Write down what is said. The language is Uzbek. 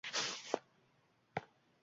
Ustoz suhbati ibrat maktabi edi biz uchun